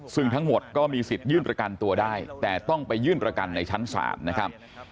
ซึ่งทั้งหมดก็มีสิทธิ์ยื่นประกันตัวได้แต่ต้องไปยื่นประกันในชั้นศาลนะครับ